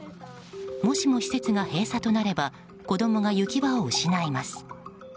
もしも施設が閉鎖となれば子供が行き場を失います。